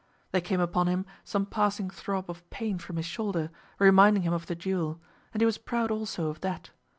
There came upon him some passing throb of pain from his shoulder, reminding him of the duel, and he was proud also of that.